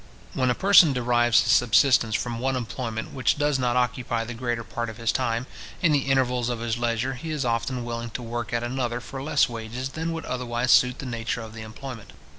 When a person derives his subsistence from one employment, which does not occupy the greater part of his time, in the intervals of his leisure he is often willing to work at another for less wages than would otherwise suit the nature of the employment.